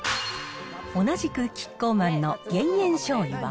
同じくキッコーマンの減塩しょうゆは。